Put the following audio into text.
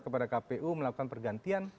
kepada kpu melakukan pergantian